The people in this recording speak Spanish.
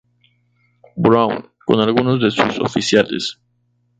Brown con algunos de sus oficiales.